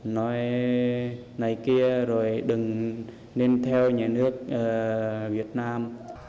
nói này kia rồi đừng nên theo nhà nước việt nam